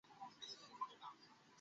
যে কেউই তোমার মতো হতে পারে।